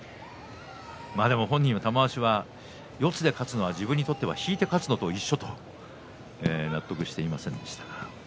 本人は四つで勝つのは自分にとっては引いて勝つのと一緒と納得していませんでした。